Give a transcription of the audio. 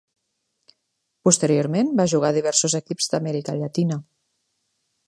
Posteriorment va jugar a diversos equips d'Amèrica Llatina.